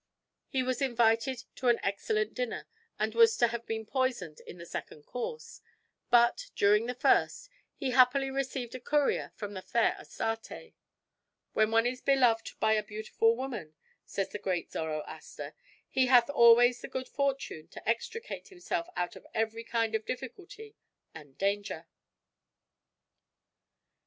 He was invited to an excellent dinner and was to have been poisoned in the second course, but, during the first, he happily received a courier from the fair Astarte. "When one is beloved by a beautiful woman," says the great Zoroaster, "he hath always the good fortune to extricate himself out of every kind of difficulty and danger."